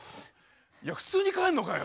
いや普通に帰んのかよ。